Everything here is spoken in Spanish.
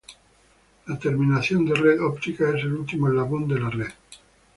La terminación de red óptica es el último eslabón de la red.